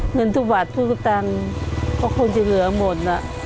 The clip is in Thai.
เงินทุกบัตรทุกตังค์ก็คงจะเหลือหมด